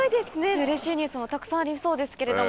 うれしいニュースもたくさんありそうですけれども。